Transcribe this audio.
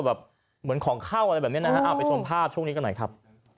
แบบเหมือนของเข้าอะไรแบบนี้นะฮะเอาไปชมภาพช่วงนี้กันหน่อยครับ